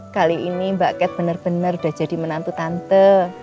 kali ini mbak ket benar benar sudah jadi menantu tante